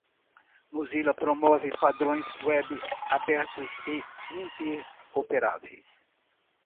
Mozilla promove padrões web abertos e interoperáveis.